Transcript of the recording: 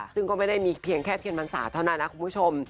ซึ่งก็ไม่ได้มีเพียงแค่เทียนพรรษาเท่านั้นนะคุณผู้ชม